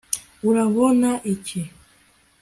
urabona iki